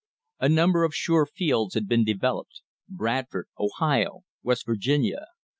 A number of sure fields had been developed Bradford, Ohio, West Virginia.